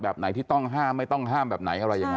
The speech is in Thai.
แบบไหนที่ต้องห้ามไม่ต้องห้ามแบบไหนอะไรยังไง